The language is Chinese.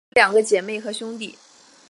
她有两个姐妹和一个兄弟。